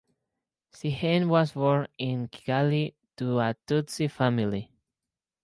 Sehene was born in Kigali to a Tutsi family.